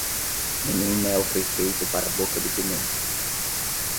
Nenhum mel foi feito para a boca do jumento.